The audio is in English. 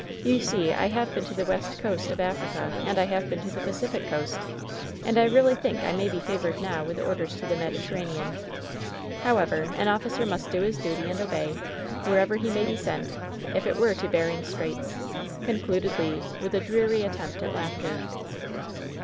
You see, I have been to the west coast of Africa, and I have been to the Pacific Coast, and I really think I may be favored now with orders to the Mediterranean. However, an officer must do his duty and obey, wherever he may be sent — if it were to Behring's Straits!" concluded Le, with a dreary attempt at laughter.